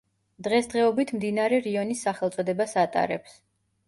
დღესდღეობით მდინარე რიონის სახელწოდებას ატარებს.